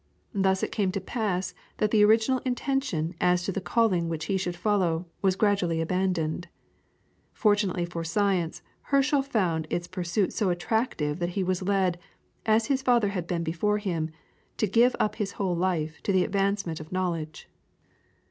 Thus it came to pass that the original intention as to the calling which he should follow was gradually abandoned. Fortunately for science Herschel found its pursuit so attractive that he was led, as his father had been before him, to give up his whole life to the advancement of knowledge.